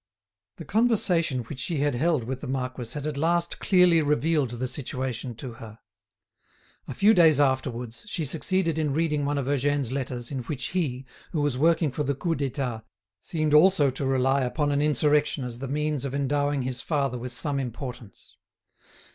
The conversation which she had held with the marquis had at last clearly revealed the situation to her. A few days afterwards, she succeeded in reading one of Eugène's letters, in which he, who was working for the Coup d'État, seemed also to rely upon an insurrection as the means of endowing his father with some importance.